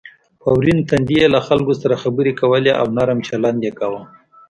په ورین تندي یې له خلکو سره خبرې کولې او نرم چلند یې کاوه.